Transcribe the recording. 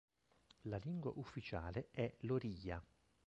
La lingua ufficiale è l'oriya.